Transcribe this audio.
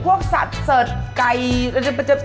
พวกสัตว์เสิร์ชไก่